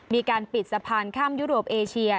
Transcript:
มีการปิดสะพานข้ามยุโรปเอเชีย